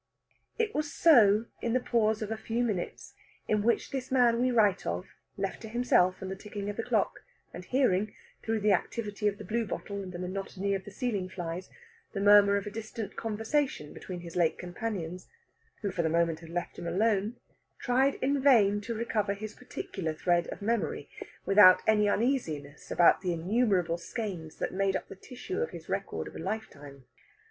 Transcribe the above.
It was so in the pause of a few minutes in which this man we write of, left to himself and the ticking of the clock, and hearing, through the activity of the bluebottle and the monotony of the ceiling flies, the murmur of a distant conversation between his late companions, who for the moment had left him alone, tried in vain to recover his particular thread of memory, without any uneasiness about the innumerable skeins that made up the tissue of his record of a lifetime.